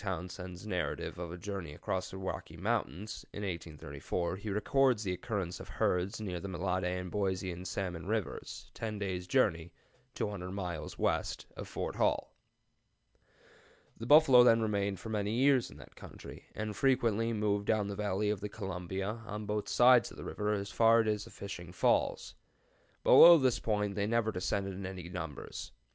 Townsend's "Narrative of a Journey across the Rocky Mountains," in 1834, he records the occurrence of herds near the Mellade and Boise and Salmon Rivers, ten days' journey 200 miles west of Fort Hall.] The buffalo then remained for many years in that country, and frequently moved down the valley of the Columbia, on both sides of the river, as far as the Fishing Falls. Below this point they never descended in any numbers.